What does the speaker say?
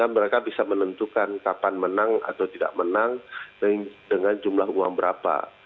mereka bisa menentukan kapan menang atau tidak menang dengan jumlah uang berapa